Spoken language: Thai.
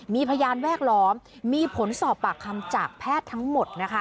มีพยานแวดล้อมมีผลสอบปากคำจากแพทย์ทั้งหมดนะคะ